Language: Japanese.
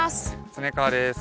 恒川です。